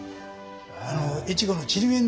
越後のちりめん